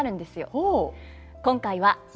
ほう。